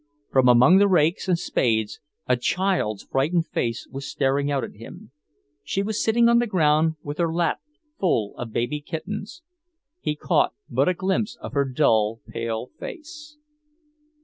From among the rakes and spades a child's frightened face was staring out at him. She was sitting on the ground with her lap full of baby kittens. He caught but a glimpse of her dull, pale face.